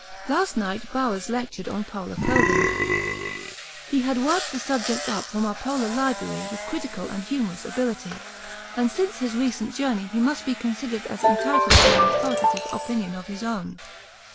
Last night Bowers lectured on Polar clothing. He had worked the subject up from our Polar library with critical and humorous ability, and since his recent journey he must be considered as entitled to an authoritative opinion of his own.